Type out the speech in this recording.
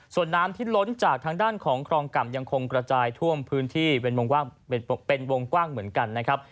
ส่วนน้ำที่ล้นจากทางด้านของคลองก่ำยังคงกระจายท่วมพื้นที่เป็นวงกว้างเหมือนกันนะครับ